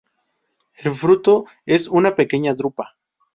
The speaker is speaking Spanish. El fruto es una pequeña drupa.